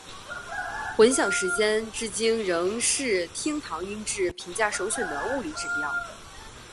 混响时间至今仍是厅堂音质评价首选的物理指标。